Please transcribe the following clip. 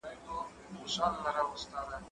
زه هره ورځ د کتابتوننۍ سره خبري کوم